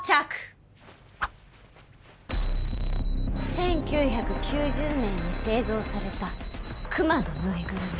１９９０年に製造されたくまのぬいぐるみ。